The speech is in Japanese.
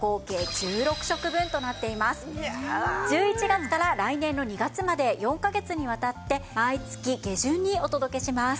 １１月から来年の２月まで４カ月にわたって毎月下旬にお届けします！